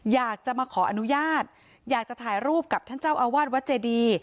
อยากจะมาขออนุญาตอยากจะถ่ายรูปกับท่านเจ้าอาวาสวัดเจดี